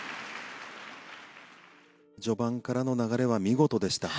序盤からの流れは見事でした。